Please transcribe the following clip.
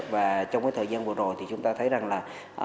và trong cái thời gian vừa rồi thì chúng ta thấy rằng là